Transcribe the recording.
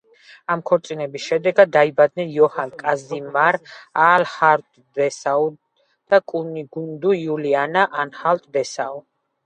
ამ ქორწინების შედეგად დაიბადნენ იოჰან კაზიმირ ანჰალტ-დესაუ და კუნიგუნდა იულიანა ანჰალტ-დესაუ.